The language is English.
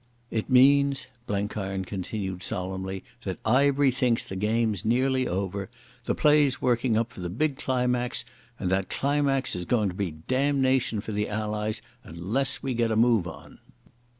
"It means," Blenkiron continued solemnly, "that Ivery thinks the game's nearly over. The play's working up for the big climax.... And that climax is going to be damnation for the Allies, unless we get a move on."